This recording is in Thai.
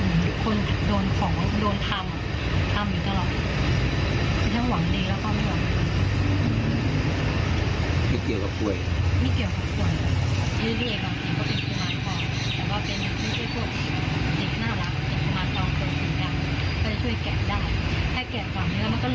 ไม่ใช่ผ่วนค่ะมันเป็นอาการสัญญาสารภาษา